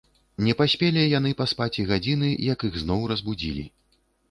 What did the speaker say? Не паспелі яны паспаць і гадзіны, як іх зноў разбудзілі.